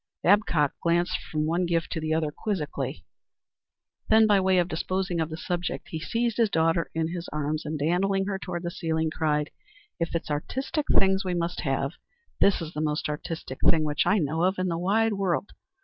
Babcock glanced from one gift to the other quizzically. Then by way of disposing of the subject he seized his daughter in his arms and dandling her toward the ceiling cried, "If it's artistic things we must have, this is the most artistic thing which I know of in the wide world.